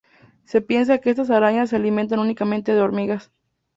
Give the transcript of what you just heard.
Se piensa que estas arañas se alimentan únicamente de hormigas.